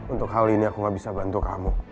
untuk hal ini aku gak bisa bantu kamu